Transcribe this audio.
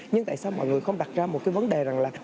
nhưng tại sao mọi người không đặt ra một cái vấn đề rằng là